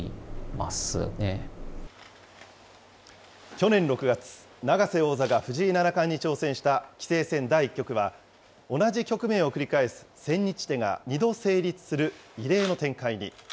去年６月、永瀬王座が藤井七冠に挑戦した棋聖戦第１局は、同じ局面を繰り返す千日手が２度成立する異例の展開に。